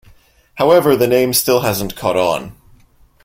However the name still hasn't caught on.